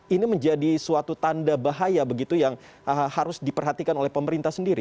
ini menjadi suatu tanda bahaya begitu yang harus diperhatikan oleh pemerintah sendiri